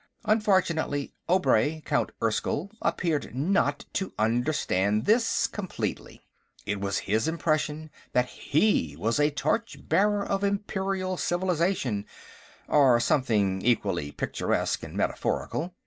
Unfortunately, Obray, Count Erskyll, appeared not to understand this completely. It was his impression that he was a torch bearer of Imperial civilization, or something equally picturesque and metaphorical.